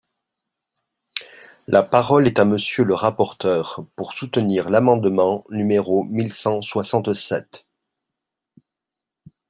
La parole est à Monsieur le rapporteur, pour soutenir l’amendement numéro mille cent soixante-sept.